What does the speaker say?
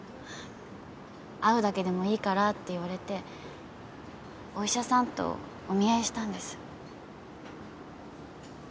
会うだけでもいいからって言われてお医者さんとお見合いしたんです。